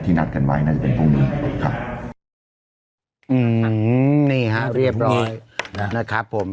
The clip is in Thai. นัดกันไว้น่าจะเป็นพรุ่งนี้ครับอืมนี่ฮะเรียบร้อยนะครับผม